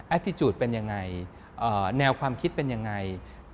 แอตติจูตเป็นอย่างไรแนวความคิดเป็นอย่างไร